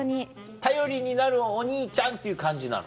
頼りになるお兄ちゃんっていう感じなの？